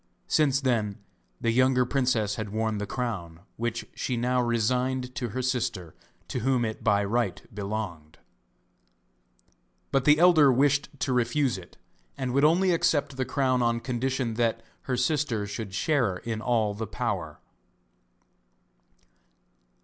Since then the younger princess had worn the crown, which she now resigned to her sister to whom it by right belonged. But the elder wished to refuse it, and would only accept the crown on condition that her sister should share in all the power.